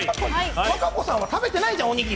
和歌子さんは食べてないじゃんおにぎり。